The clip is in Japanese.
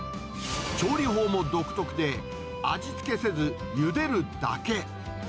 調理法も独特で、味付けせず、ゆでるだけ。